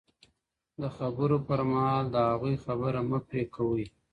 د خبرو پر مهال د هغوی خبره مه پرې کوئ.